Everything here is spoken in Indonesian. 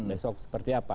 besok seperti apa